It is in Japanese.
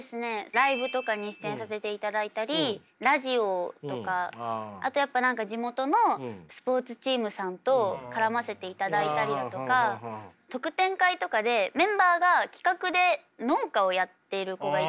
ライブとかに出演させていただいたりラジオとかあとやっぱ地元のスポーツチームさんと絡ませていただいたりだとか特典会とかでメンバーが企画で農家をやっている子がいて。